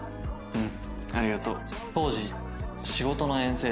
うん。